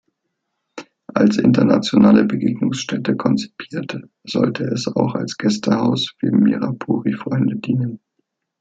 Als internationale Begegnungsstätte konzipiert, sollte es auch als Gästehaus für Mirapuri-Freunde dienen.